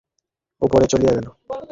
বলিয়া দ্রুতপদে হেমনলিনী উপরে চলিয়া গেল।